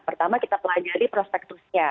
pertama kita pelajari prospektusnya